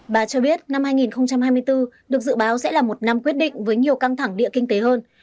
bà cho biết năm hai nghìn hai mươi bốn được dự báo sẽ là một năm quyết định với nhiều căng thẳng địa kinh tế hơn